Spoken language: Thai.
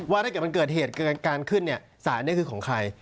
ว่าถ้าเกิดมันเกิดเหตุการณ์ขึ้นเนี่ยสารนี้คือของใคร